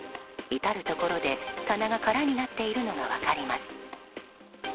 至るところで棚が空になっているのが分かります。